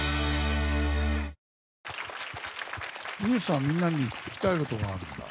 ＮＥＷＳはみんなに聞きたいことがあるんだ？